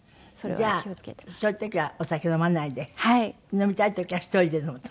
じゃあそういう時はお酒飲まないで飲みたい時は１人で飲むと。